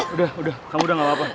udah udah kamu udah gapapa